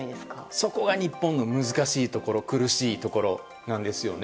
そこが日本の難しいところ苦しいところなんです。